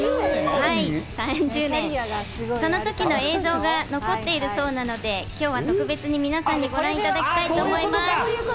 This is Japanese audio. その時の映像が残っているそうなので、今日は特別に皆さんにご覧いただきたいと思います。